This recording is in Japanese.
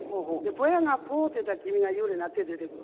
「ぼやがポッ」と言うたら君が幽霊になって出てくる。